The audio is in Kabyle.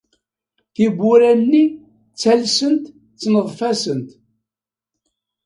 Tiwwura-nni ttalsent ttneḍfasent.